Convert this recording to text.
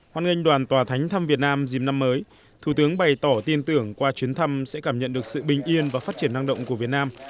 hoan nghênh đoàn tòa thánh thăm việt nam dìm năm mới thủ tướng bày tỏ tin tưởng qua chuyến thăm sẽ cảm nhận được sự bình yên và phát triển năng động của việt nam